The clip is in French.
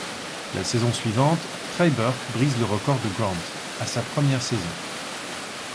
La saison suivante Trey Burke brise le record de Grant à sa première saison.